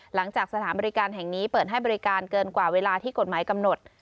หลังจากสถานบริการแห่งนี้เปิดให้บริการเกินกว่าเวลาที่กฎหมายกำหนด